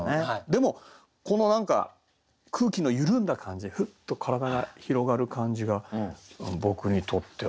でもこの何か空気の緩んだ感じふっと体が広がる感じが僕にとっては。